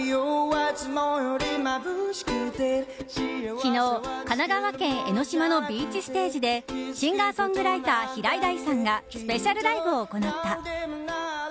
昨日、神奈川県江の島のビーチステージでシンガーソングライター平井大さんがスペシャルライブを行った。